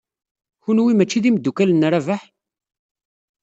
Kenwi mačči d imeddukal n Rabaḥ?